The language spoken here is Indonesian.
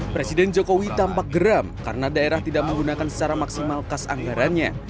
presiden jokowi tampak geram karena daerah tidak menggunakan secara maksimal kas anggarannya